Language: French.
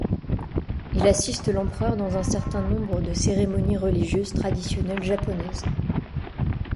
Il assiste l’empereur dans un certain nombre de cérémonies religieuses traditionnelles japonaises.